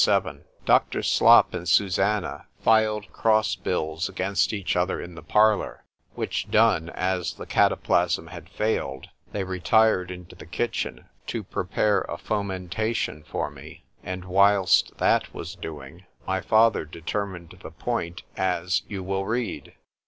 XLVII DOCTOR Slop and Susannah filed cross bills against each other in the parlour; which done, as the cataplasm had failed, they retired into the kitchen to prepare a fomentation for me;—and whilst that was doing, my father determined the point as you will read.